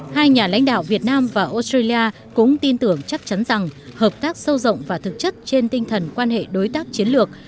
hai nhà lãnh đạo việt nam và australia cũng tin tưởng chắc chắn rằng hợp tác sâu rộng và thực chất trên tinh thần quan hệ đối tác chiến lược